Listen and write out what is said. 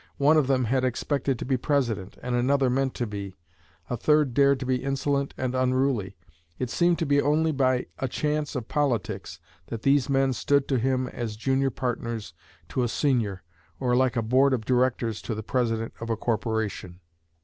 One of them had expected to be President, and another meant to be; a third dared to be insolent and unruly; it seemed to be only by a chance of politics that these men stood to him as junior partners to a senior, or like a board of directors to the president of a corporation."